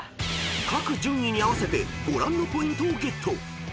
［各順位に合わせてご覧のポイントをゲット］